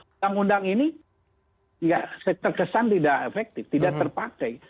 undang undang ini terkesan tidak efektif tidak terpakai